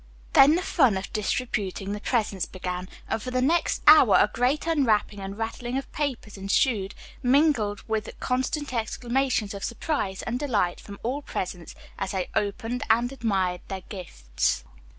Then the fun of distributing the presents began, and for the next hour a great unwrapping and rattling of papers ensued, mingled with constant exclamations of surprise and delight from all present, as they opened and admired their gifts.